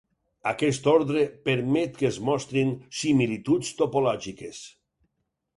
Aquest ordre permet que es mostrin similituds topològiques.